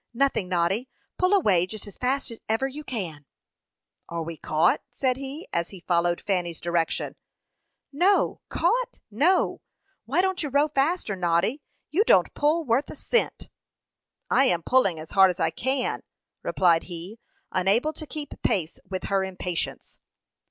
"Nothing, Noddy; pull away just as fast as ever you can." "Are we caught?" said he, as he followed Fanny's direction. "No; caught! no. Why don't you row faster, Noddy? You don't pull worth a cent." "I am pulling as hard as I can," replied he, unable to keep pace with her impatience.